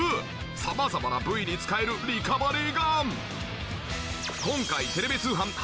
様々な部位に使えるリカバリーガン！